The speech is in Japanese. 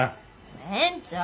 ええんちゃう。